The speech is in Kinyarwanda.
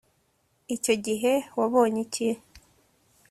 icyo gihe wabonye iki